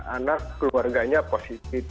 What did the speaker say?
anak keluarganya positif